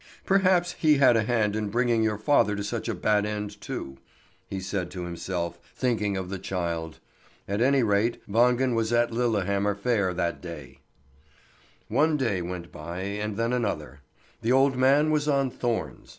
"Perhaps he had a hand in bringing your father to such a bad end too," he said to himself, thinking of the child. At any rate, Wangen was at Lillehammer fair that time. One day went by, and then another. The old man was on thorns.